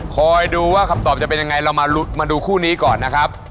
คอยดูว่าคำตอบจะเป็นยังไงเรามาดูคู่นี้ก่อนนะครับ